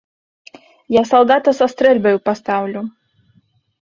Я салдата са стрэльбаю пастаўлю!